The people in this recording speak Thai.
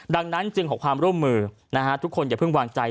ดังนั้นจึงขอความร่วมมือทุกคนอย่าเพิ่งวางใจ